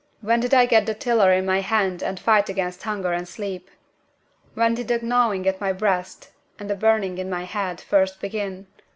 When did I get the tiller in my hand and fight against hunger and sleep? When did the gnawing in my breast, and the burning in my head, first begin?